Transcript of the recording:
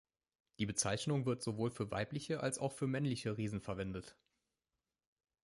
Die Bezeichnung wird sowohl für weibliche als auch für männliche Riesen verwendet.